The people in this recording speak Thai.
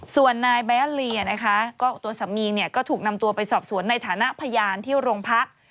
ส่วนนายบายันลีก็ถูกนำตัวไปสอบสวนในฐานะพยานที่โรงพรรค